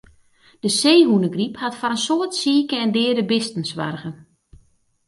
De seehûnegryp hat foar in soad sike en deade bisten soarge.